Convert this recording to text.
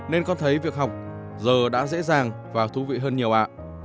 nên con thấy việc học giờ đã dễ dàng và thú vị hơn nhiều bạn